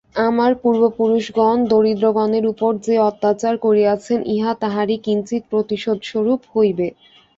আমার পূর্বপুরুষগণ দরিদ্রগণের উপর যে অত্যাচার করিয়াছেন, ইহা তাহারই কিঞ্চিৎ প্রতিশোধস্বরূপ হইবে।